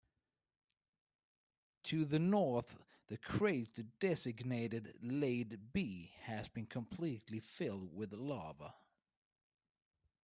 To the north the crater designated Lade B has been completely filled with lava.